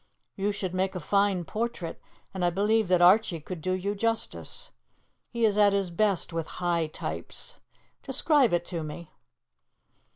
You should make a fine portrait, and I believe that Archie could do you justice. He is at his best with high types. Describe it to me."